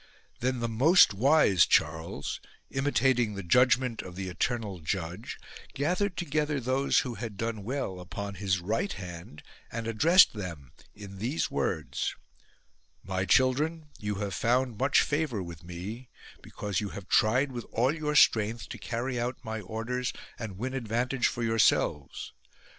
Then the most wise Charles, imitating the judgment of the eternal Judge, gathered together those who had done well upon his right hand and addressed them in these words :My children, you have found much favour with me because you have tried with all your strength to carry out my orders and win advantage for your selves.